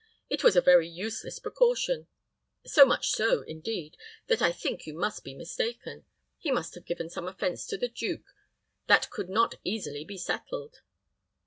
It was a very useless precaution; so much so, indeed, that I think you must be mistaken. He must have given some offense to the duke: he gave none to me that could not easily be settled."